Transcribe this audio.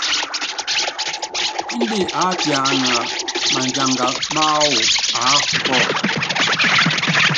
Índɛ aápiana madianga máwú aáka kɔ́ɔku.